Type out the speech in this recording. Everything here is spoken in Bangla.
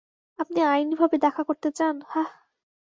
আপনি আইনিভাবে দেখা করতে চান, হাহ?